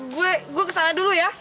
gue kesana dulu ya